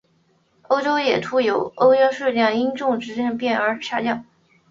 欧洲野兔在欧洲的数量因种植业的变更而下降。